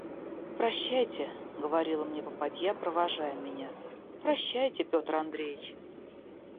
«Прощайте, – говорила мне попадья, провожая меня, – прощайте, Петр Андреич.